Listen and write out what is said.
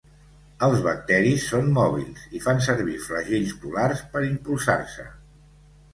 Els bacteris són mòbils, i fan servir flagells polars per impulsar-se.